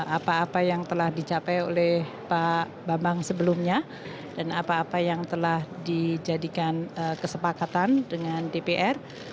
apa apa yang telah dicapai oleh pak bambang sebelumnya dan apa apa yang telah dijadikan kesepakatan dengan dpr